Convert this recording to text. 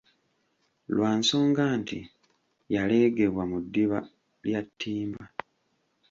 Lwa nsonga nti yaleegebwa mu ddiba lya ttimba.